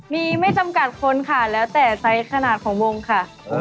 มีไม่จำกัดคนค่ะแล้วแต่ไซส์ขนาดของวงค่ะ